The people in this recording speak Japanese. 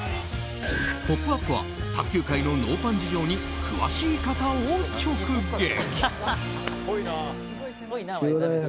「ポップＵＰ！」は卓球界のノーパン事情に詳しい方を直撃。